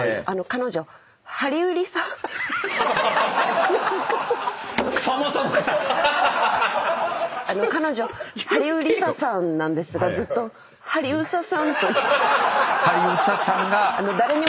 彼女ハリウリサさんなんですがずっと「ハリウサさん」と。